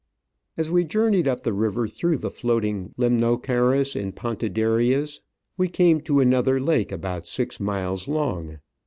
As we journeyed up the river through the floating Limnocharis and Pontederias, we came to another lake about six miles long.